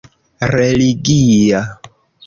religia